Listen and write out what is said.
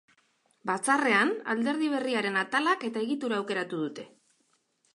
Batzarrean, alderdi berriaren atalak eta egitura aukeratu dute.